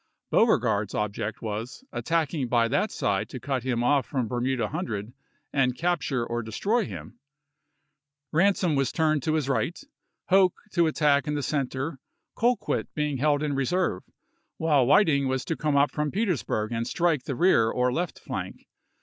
Beauregard's object was, attacking by that side to cut him off from Ber muda Hundred and capture or destroy him. Ran som was to turn his right, Hoke to attack in the center, Colquitt being held in reserve ; while Whit ing was to come up from Petersburg and strike the rear or left flank.